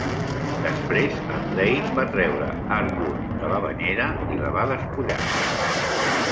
Després, en Lane va treure Arwood de la banyera i la va despullar.